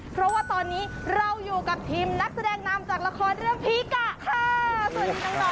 เพราะว่าตอนนี้เราอยู่กับทีมนักแสดงนามจากละครเรื่องภีกะค่ะ